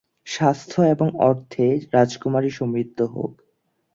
সাস্থ্য এবং অর্থে রাজকুমারী সমৃদ্ধ হোক।